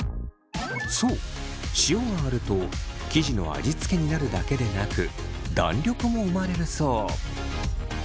そう塩があると生地の味付けになるだけでなく弾力も生まれるそう。